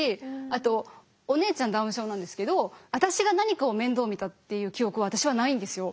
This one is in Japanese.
あとお姉ちゃんダウン症なんですけど私が何かを面倒見たっていう記憶は私はないんですよ。